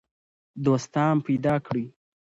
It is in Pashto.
دوستان پیدا کړئ.